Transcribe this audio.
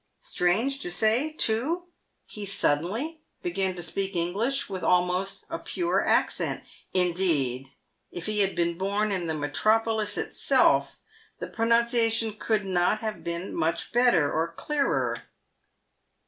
Strange to say, too, he suddenly began to speak English with almost a pure accent ; indeed, if he had been born in the metropolis itself, the pronunciation could not have been much better or clearer.